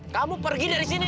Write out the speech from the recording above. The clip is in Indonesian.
kamu pergi dari sini